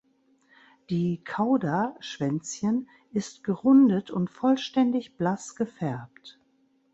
Die Cauda (Schwänzchen) ist gerundet und vollständig blass gefärbt.